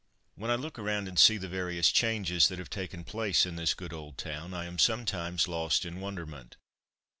When I look around and see the various changes that have taken place in this "good old town" I am sometimes lost in wonderment.